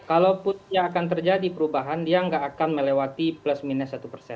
kalau pun ya akan terjadi perubahan dia tidak akan melewati plus minus satu